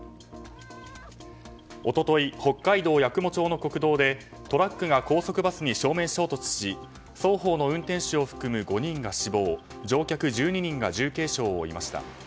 一昨日、北海度八雲町の国道でトラックが高速バスに正面衝突し双方の運転手を含む５人が死亡乗客１２人が重軽傷を負いました。